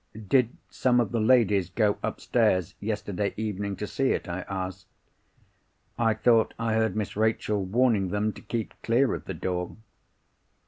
"'Did some of the ladies go upstairs yesterday evening to see it?' I asked. 'I thought I heard Miss Rachel warning them to keep clear of the door.